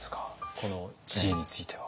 この知恵については。